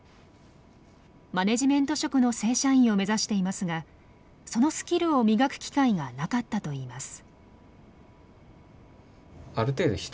マネジメント職の正社員を目指していますがそのスキルを磨く機会がなかったといいます。